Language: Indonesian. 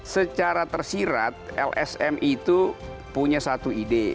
secara tersirat lsm itu punya satu ide